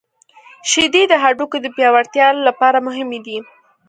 • شیدې د هډوکو د پیاوړتیا لپاره مهمې دي.